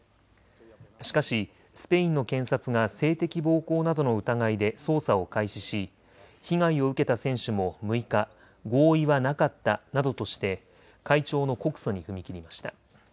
しかしスペインの検察が性的暴行などの疑いで捜査を開始し被害を受けた選手も６日、合意はなかったなどとして会長の告訴に踏み切りました。